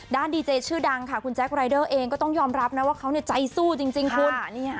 ดีเจชื่อดังค่ะคุณแจ๊ครายเดอร์เองก็ต้องยอมรับนะว่าเขาใจสู้จริงคุณ